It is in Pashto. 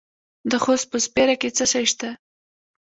د خوست په سپیره کې څه شی شته؟